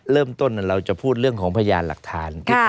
เริ่มต้นเราจะพูดเรื่องของพยานหลักฐาน